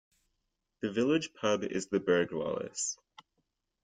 The village pub is the Burghwallis.